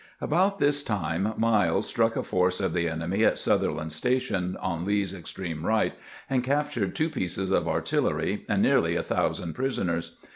About this time Miles struck a force of the enemy at Sutherland's Station, on Lee's extreme right, and cap tured two pieces of artillery and nearly 1000 prisoners.